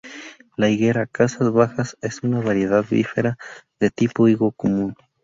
La higuera 'Casas Bajas' es una variedad "bífera" de tipo higo común.